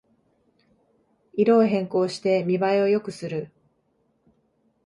色を変更して見ばえを良くする